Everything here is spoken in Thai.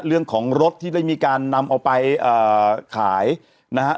เรื่องของรถที่ได้มีการนำเอาไปขายนะฮะ